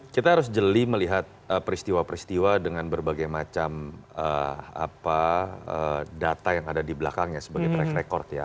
kita harus jeli melihat peristiwa peristiwa dengan berbagai macam data yang ada di belakangnya sebagai track record ya